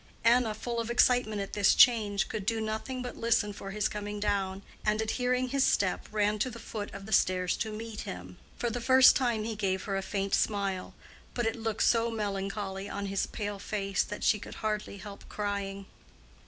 Anna, full of excitement at this change, could do nothing but listen for his coming down, and at last hearing his step, ran to the foot of the stairs to meet him. For the first time he gave her a faint smile, but it looked so melancholy on his pale face that she could hardly help crying.